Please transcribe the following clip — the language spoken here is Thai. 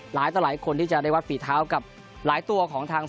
ต่อหลายคนที่จะได้วัดฝีเท้ากับหลายตัวของทาง